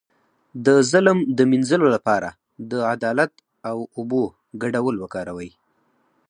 د ظلم د مینځلو لپاره د عدالت او اوبو ګډول وکاروئ